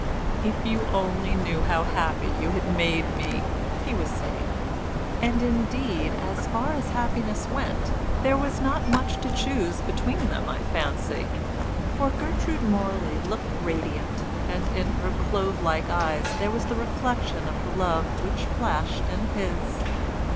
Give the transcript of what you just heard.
"If you only knew how happy you had made me!" he was saying. And indeed, as far as happiness went, there was not much to choose between them, I fancy; for Gertrude Morley looked radiant, and in her clove like eyes there was the reflection of the love which flashed in his.